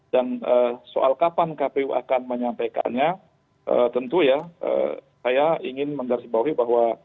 dan soal kapan kpu akan menyampaikannya tentu ya saya ingin menggarisbawahi bahwa